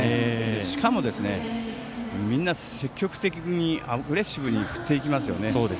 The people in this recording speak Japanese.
しかも、みんな積極的にアグレッシブに振っていきますね。